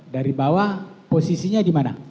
dari bawah posisinya di mana